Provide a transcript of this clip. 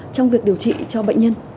trong việc điều trị cho bệnh nhân